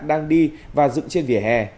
đang đi và dựng trên vỉa hè